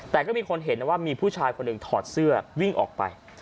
แต่ก็มีคนเห็นนะว่ามีผู้ชายคนหนึ่งถอดเสื้อวิ่งออกไป